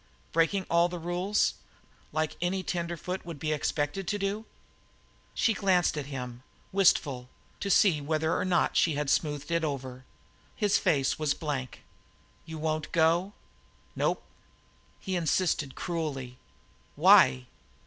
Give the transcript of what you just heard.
"Breakin' all the rules, like any tenderfoot would be expected to do." She glanced at him, wistful, to see whether or not she had smoothed it over; his face was a blank. "You won't go?" "Nope." He insisted cruelly: "Why?"